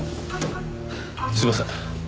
すいません。